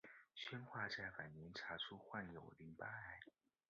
宣化在晚年查出患有淋巴癌。